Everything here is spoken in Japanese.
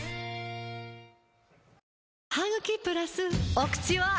お口は！